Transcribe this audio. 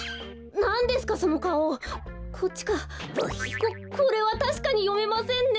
ここれはたしかによめませんねえ。